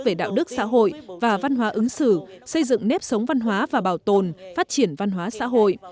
về đạo đức xã hội và văn hóa ứng xử xây dựng nếp sống văn hóa và bảo tồn phát triển văn hóa xã hội